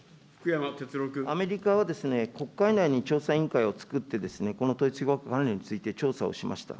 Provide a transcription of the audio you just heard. アメリカは、国会内に調査委員会を作って、この統一教会関連について、調査をしました。